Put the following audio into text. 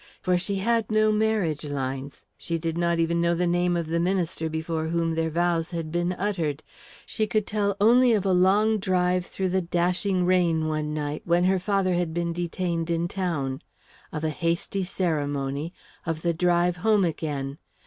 For she had no marriage lines, she did not even know the name of the minister before whom their vows had been uttered she could tell only of a long drive through the dashing rain one night when her father had been detained in town; of a hasty ceremony; of the drive home again.